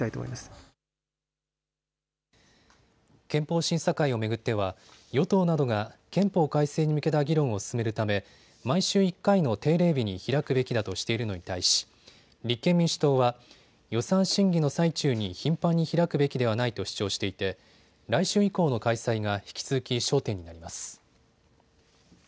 憲法審査会を巡っては与党などが憲法改正に向けた議論を進めるため毎週１回の定例日に開くべきだとしているのに対し立憲民主党は予算審議の最中に頻繁に開くべきではないと主張していて来週以降の開催が引き続き焦点になります。